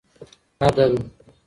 عدل